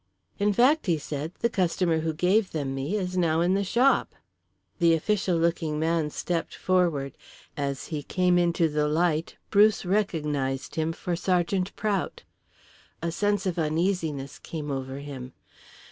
"In fact," he said, "the customer who gave them me is now in the shop." The official looking man stepped forward. As he came into the light Bruce recognised him for Sergeant Prout. A sense of uneasiness came over him.